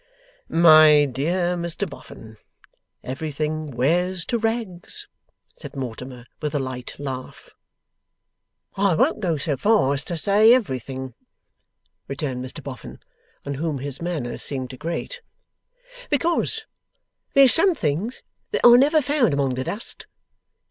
'My dear Mr Boffin, everything wears to rags,' said Mortimer, with a light laugh. 'I won't go so far as to say everything,' returned Mr Boffin, on whom his manner seemed to grate, 'because there's some things that I never found among the dust.